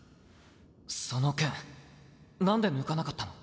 その剣なんで抜かなかったの？